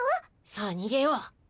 さあにげよう。